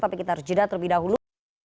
tapi kita harus jeda terlebih dahulu